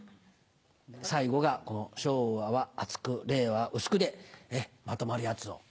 最後がこの「昭和は厚く令和は薄く」でまとまるやつを。